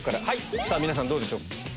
さぁ皆さんどうでしょうか？